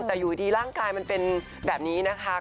แต่อยู่ดีร่างกายมันเป็นแบบนี้นะคะ